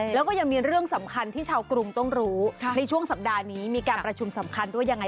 แล้วก็ยังมีเรื่องสำคัญที่ชาวกรุงต้องรู้ในช่วงสัปดาห์นี้มีการประชุมสำคัญด้วยยังไง